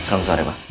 selamat sore ma